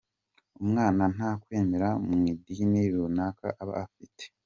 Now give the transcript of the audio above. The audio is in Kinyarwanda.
Umwana nta kwemera mu idini runaka aba afite.